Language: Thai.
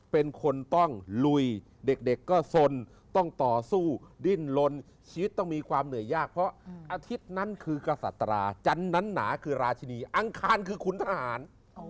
เป็นคนต้องลุยเด็กก็สนต้องต่อสู้ดิ้นลนชีวิตต้องมีความเหนื่อยยากเพราะอาทิตย์นั้นคือกษัตราจันทร์นั้นหนาคือราชินีอังคารคือคุณทหาร